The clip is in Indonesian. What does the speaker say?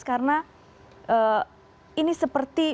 karena ini seperti